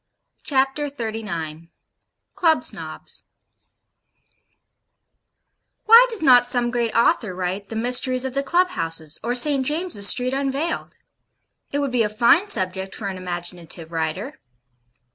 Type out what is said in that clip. CHAPTER XXXIX CLUB SNOBS Why does not some great author write 'The Mysteries of the Club houses; or St. James's Street unveiled?' It would be a fine subject for an imaginative writer.